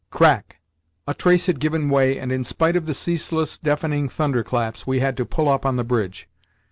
Crack! A trace had given way, and, in spite of the ceaseless, deafening thunderclaps, we had to pull up on the bridge.